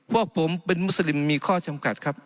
พวกผมเป็นมุสลิมมีข้อจำกัดครับ